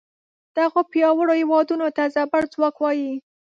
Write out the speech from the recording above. دغو پیاوړو هیوادونو ته زبر ځواک وایي.